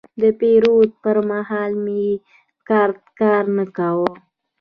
د پیرود پر مهال مې کارت کار نه کاوه.